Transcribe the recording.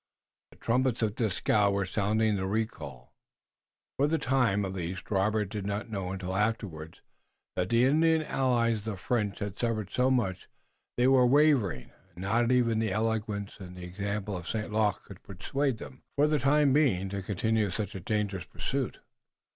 The trumpets of Dieskau were sounding the recall, for the time, at least. Robert did not know until afterward that the Indian allies of the French had suffered so much that they were wavering, and not even the eloquence and example of St. Luc could persuade them, for the time being, to continue such a dangerous pursuit.